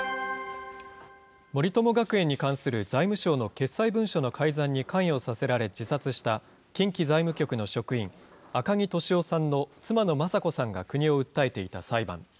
森友学園に関する財務省の決裁文書の改ざんに関与させられ自殺した近畿財務局の職員、赤木俊夫さんの妻の雅子さんが国を訴えていた裁判。